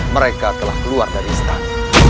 mereka telah keluar dari istana